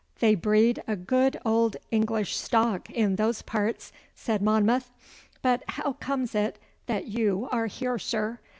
'They breed a good old English stock in those parts,' said Monmouth; 'but how comes it that you are here, sir?